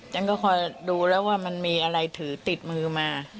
ฉันก็คอยดูแล้วว่ามันมีอะไรถือติดมือมา